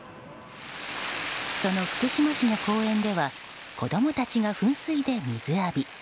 その福島市の公園では子供たちが噴水で水浴び。